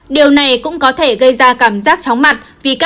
điều này cũng có thể gây ra cảm giác chóng mặt